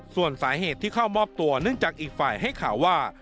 ส่วนสาเหตุที่เข้ามอบตัวเนื่องจากอีกฝ่ายให้ข่าวว่า